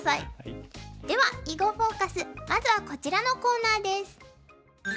では「囲碁フォーカス」まずはこちらのコーナーです。